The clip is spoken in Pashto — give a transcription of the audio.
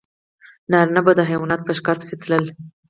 نارینه به د حیواناتو په ښکار پسې تلل.